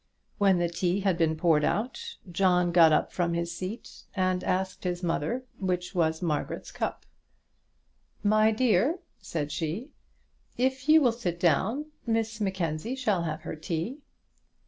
When the tea had been poured out, John got up from his seat and asked his mother which was Margaret's cup. "My dear," said she, "if you will sit down, Miss Mackenzie shall have her tea."